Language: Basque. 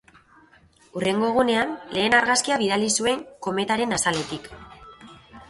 Hurrengo egunean, lehen argazkia bidali zuen kometaren azaletik.